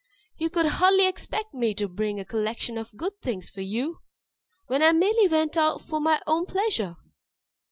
You could hardly expect me to bring a collection of good things for you, when I merely went out for my own pleasure."